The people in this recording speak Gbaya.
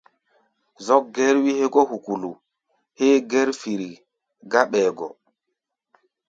Zɔ́k gɛ́r-wí hégɔ́ hukulu héé gɛ́r firi gá ɓɛɛ gɔ.